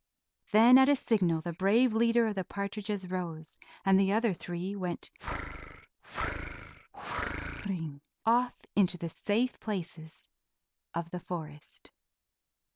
Then at a signal the brave leader of the partridges rose, and the other three went "whir, whir, whirring" off into the safe places of the forest.